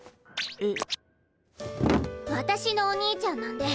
えっ？